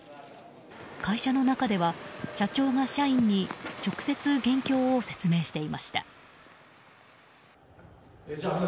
会社の中では、社長が社員に直接、現況を説明していました。